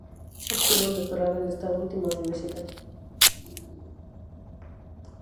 Obtuvo el doctorado en esta última universidad.